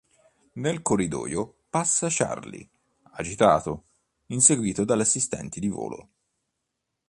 Nel corridoio passa Charlie, agitato, inseguito dalle assistenti di volo.